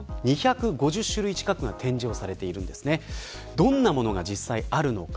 どんなものが実際あるのか。